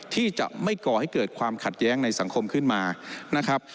ที่จะไม่ก่อให้เกิดความขัดแย้งในสังคมขึ้นมานะครับ